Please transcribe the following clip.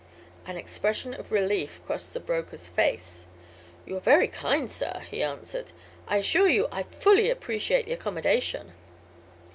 An expression of relief crossed the broker's face. "You are very kind, sir," he answered. "I assure you I fully appreciate the accommodation."